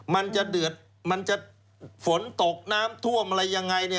มันจะเดือดมันจะฝนตกน้ำท่วมอะไรยังไงเนี่ย